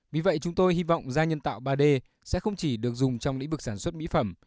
vì vậy chúng tôi hy vọng da nhân tạo ba d sẽ không chỉ được dùng trong lĩnh vực sản xuất mỹ phẩm